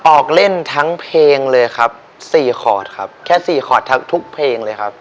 ออกเล่นทั้งเพลงเลยครับ๔คอร์ดครับแค่๔คอร์ดทั้งทุกเพลงเลยครับ